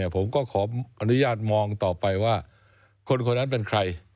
ผมก็ขออนุญาตมองต่อไปว่าคนนั้นเป็นใคร